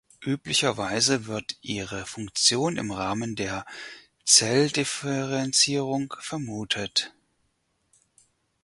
Üblicherweise wird ihre Funktion im Rahmen der Zelldifferenzierung vermutet.